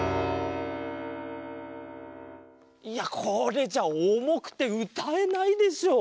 いやこれじゃおもくてうたえないでしょう。